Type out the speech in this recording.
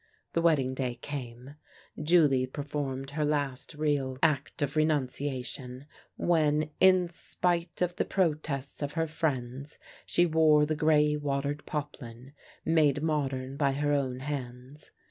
The wedding day came. Julie performed her last real i6o THE LANE THAT HAD NO TURNING act of renunciation when, in spite of the protests of her friends, she wore the grey watered popHn, made mod ern by her own hands.